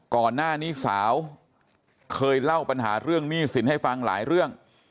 ก่อนหน้านี้สาวเคยเล่าปัญหาเรื่องหนี้สินให้ฟังหลายเรื่อง